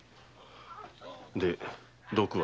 で毒は？